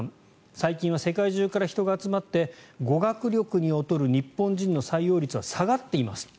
最近は世界中から人が集まって語学力に劣る日本人の採用率は下がっています。